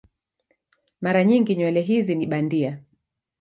Mara nyingi nywele hizi ni bandia.